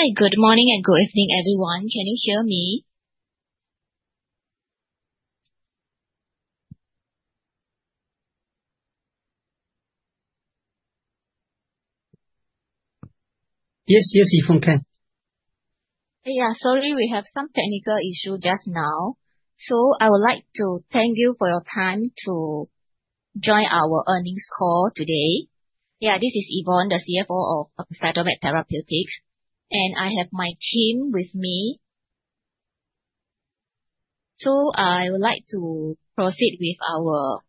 Hi, good morning and good evening, everyone. Can you hear me? Yes, yes, Yvonne, we can. Yeah, sorry, we have some technical issues just now. So I would like to thank you for your time to join our earnings call today. This is Yvonne, the CFO of CytoMed Therapeutics, and I have my team with me. So I would like to proceed with our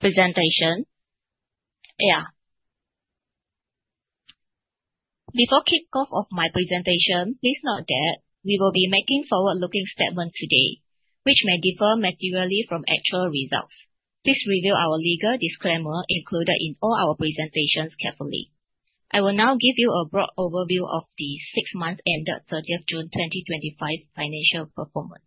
presentation. Before kick-off of my presentation, please note that we will be making forward-looking statements today, which may differ materially from actual results. Please review our legal disclaimer included in all our presentations carefully. I will now give you a broad overview of the six months ended 30 June 2025 financial performance.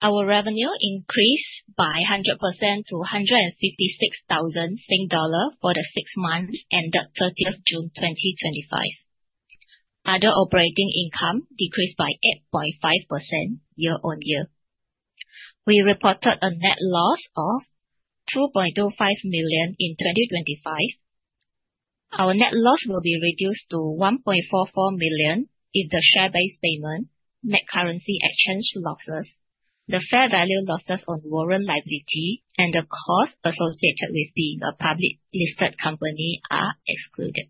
Our revenue increased by 100% to 156,000 dollar for the six months ended 30 June 2025. Other operating income decreased by 8.5% year-on-year. We reported a net loss of 2.25 million in 2025. Our net loss will be reduced to 1.44 million if the share-based payment, net currency exchange losses, the fair value losses on warrant liability, and the costs associated with being a public-listed company are excluded.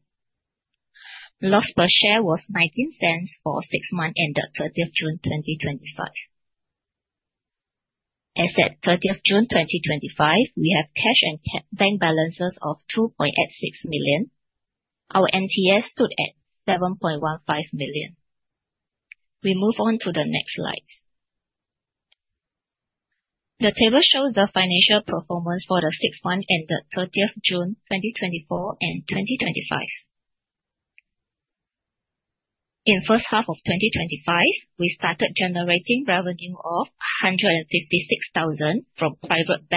Loss per share was 0.19 for six months ended 30 June 2025. as of 30 June 2025, we have cash and bank balances of 2.86 million. Our NTA stood at 7.15 million. We move on to the next slide. The table shows the financial performance for the six months ended 30 June 2024 and 2025. In the first half of 2025, we started generating revenue of 156,000 from private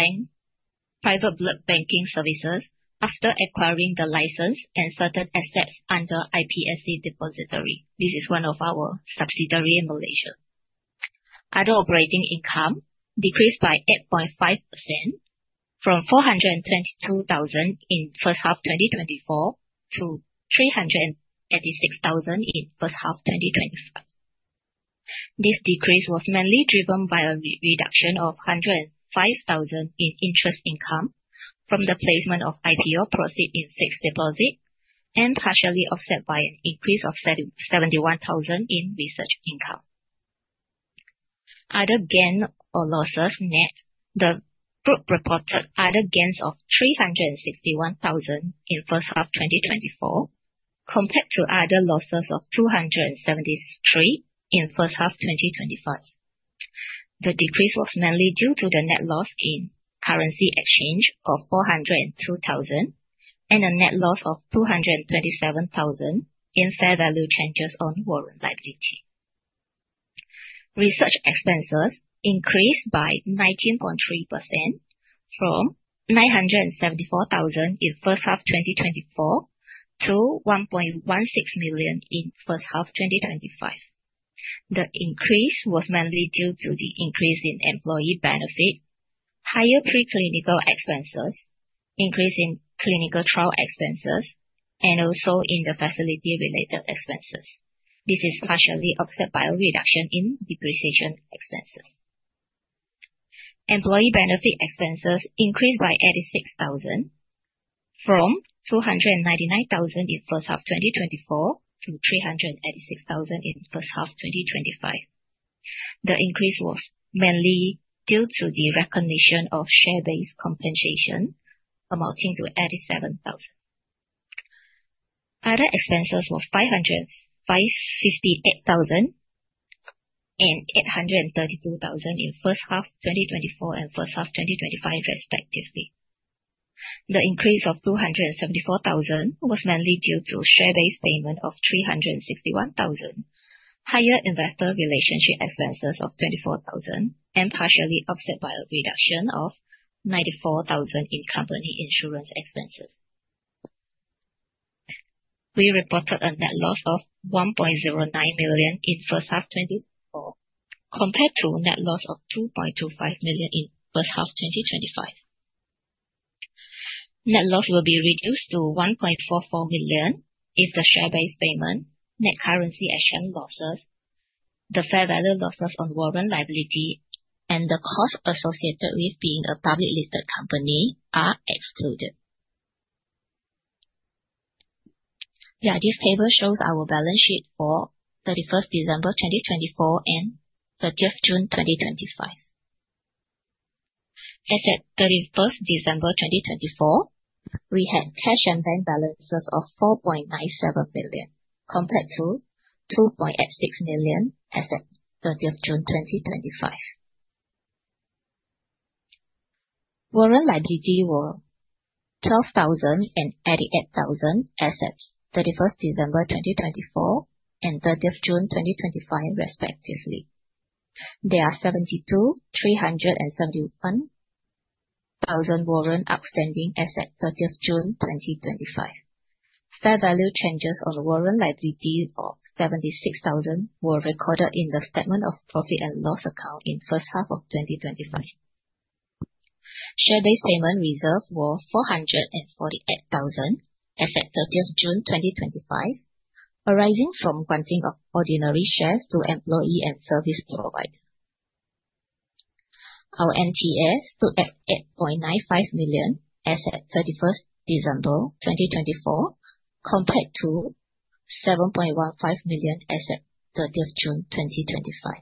blood banking services after acquiring the license and certain assets under iPSC Depository. This is one of our subsidiaries in Malaysia. Other operating income decreased by 8.5% from 422,000 in the first half of 2024 to 386,000 in the first half of 2025. This decrease was mainly driven by a reduction of 105,000 in interest income from the placement of IPO proceeds in fixed deposit and partially offset by an increase of 71,000 in research income. Other gains or losses, net. The group reported other gains of 361,000 in the first half of 2024 compared to other losses of 273 in the first half of 2025. The decrease was mainly due to the net loss in currency exchange of 402,000 and a net loss of 227,000 in fair value changes on warrant liability. Research expenses increased by 19.3% from 974,000 in the first half of 2024 to 1.16 million in the first half of 2025. The increase was mainly due to the increase in employee benefit, higher preclinical expenses, increase in clinical trial expenses, and also in the facility-related expenses. This is partially offset by a reduction in depreciation expenses. Employee benefit expenses increased by 86,000 from 299,000 in the first half of 2024 to 386,000 in the first half of 2025. The increase was mainly due to the recognition of share-based compensation amounting to 87,000. Other expenses were 558,000 and 832,000 in the first half of 2024 and first half of 2025, respectively. The increase of 274,000 was mainly due to share-based payment of 361,000, higher investor relations expenses of 24,000, and partially offset by a reduction of 94,000 in company insurance expenses. We reported a net loss of 1.09 million in the first half of 2024 compared to net loss of 2.25 million in the first half of 2025. Net loss will be reduced to 1.44 million if the share-based payment, net currency exchange losses, the fair value losses on warrant liability, and the costs associated with being a public-listed company are excluded. Yeah, this table shows our balance sheet for 31 December 2024 and 30 June 2025. as of 31 December 2024, we had cash and bank balances of 4.97 million compared to 2.86 million as of 30 June 2025. Warrant liability were SGD 12,000 and 88,000 as of 31 December 2024 and 30 June 2025, respectively. There are 72,371,000 warrants outstanding as of 30 June 2025. Fair value changes on warrant liability of 76,000 were recorded in the statement of profit and loss account in the first half of 2025. Share-based payment reserves were 448,000 as of 30 June 2025, arising from granting of ordinary shares to employee and service provider. Our NTA stood at 8.95 million as of 31 December 2024 compared to SGD 7.15 million as of 30 June 2025.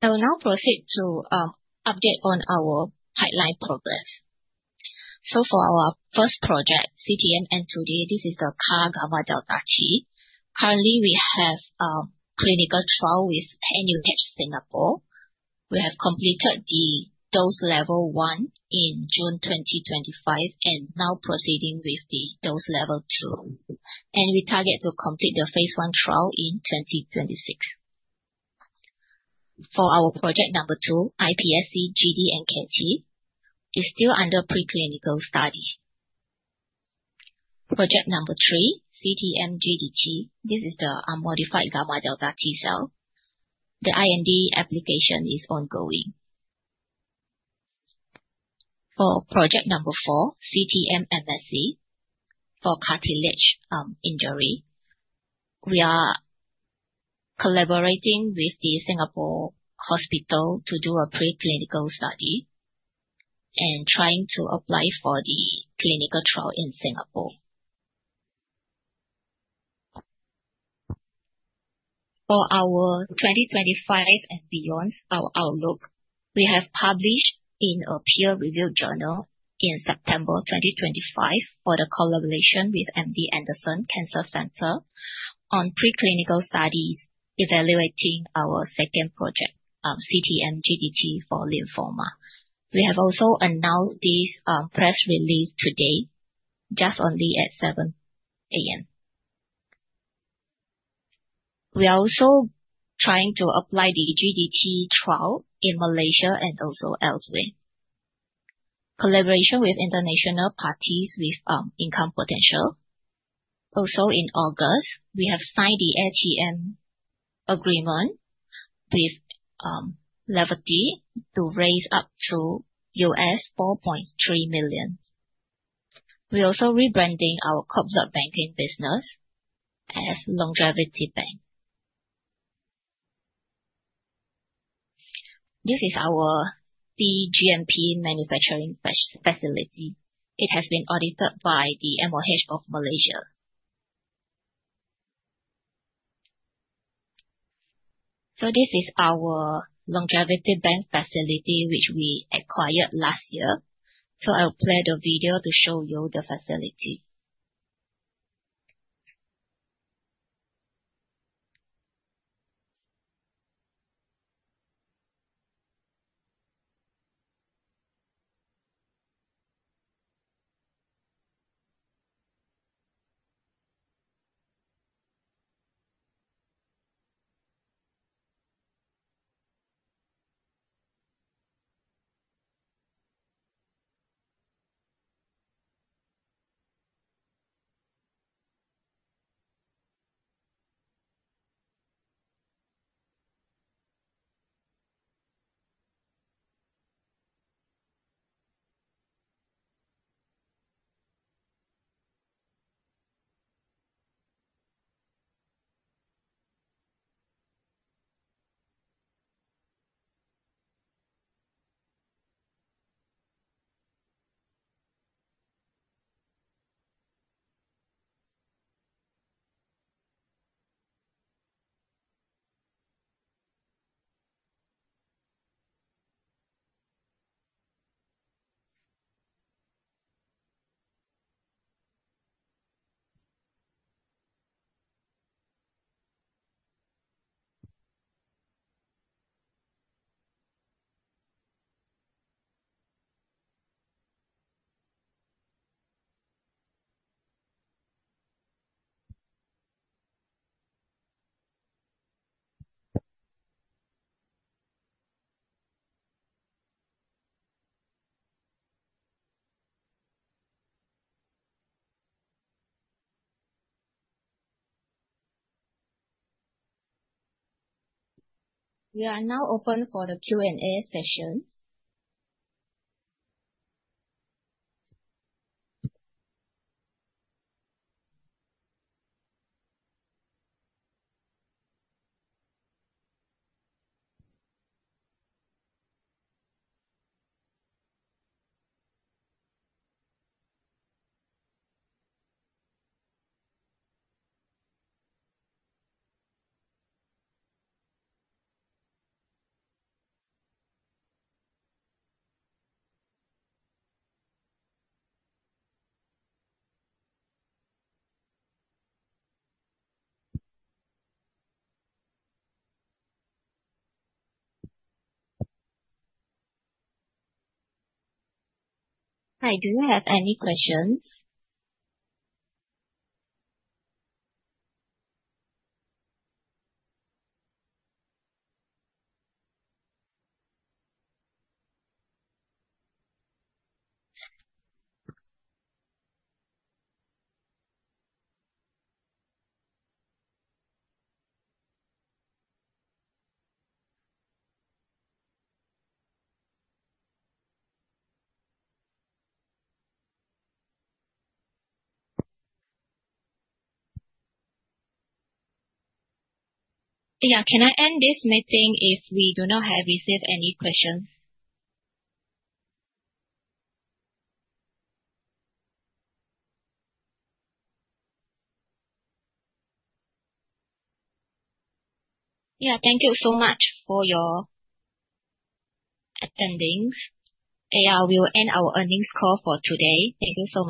I will now proceed to update on our pipeline programs. So for our first project, CTM-N2D, this is the CAR Gamma Delta T. Currently, we have a clinical trial with NUH Singapore. We have completed the dose level one in June 2025 and now proceeding with the dose level two. And we target to complete the phase one trial in 2026. For our project number two, iPSC-gdNKT, it's still under preclinical study. Project number three, CTM-GDT, this is the modified Gamma Delta T cell. The IND application is ongoing. For project number four, CTM-MSC for cartilage injury, we are collaborating with the Singapore hospital to do a preclinical study and trying to apply for the clinical trial in Singapore. For our 2025 and beyond outlook, we have published in a peer-reviewed journal in September 2025 for the collaboration with MD Anderson Cancer Center on preclinical studies evaluating our second project, CTM-GDT for Lymphoma. We have also announced this press release today, just only at 7:00 A.M. We are also trying to apply the GDT trial in Malaysia and also elsewhere. Collaboration with international parties with income potential. Also, in August, we have signed the ATM agreement with Levity to raise up to $4.3 million. We are also rebranding our cord blood banking business as LongevityBank. This is our cGMP manufacturing facility. It has been audited by the MOH of Malaysia. This is our LongevityBank facility, which we acquired last year. I'll play the video to show you the facility. We are now open for the Q&A session. Hi, do you have any questions? Yeah, can I end this meeting if we do not have received any questions? Yeah, thank you so much for your attending. We will end our earnings call for today. Thank you so.